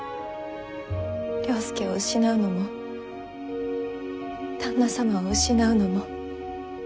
了助を失うのも旦那様を失うのも。